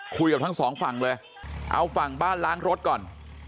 คุยกับทั้งสองฝั่งเลยเอาฝั่งบ้านล้างรถก่อน